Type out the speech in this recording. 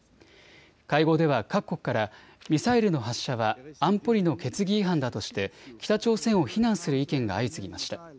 会合では各国からミサイルの発射は安保理の決議違反だとして北朝鮮を非難する意見が相次ぎました。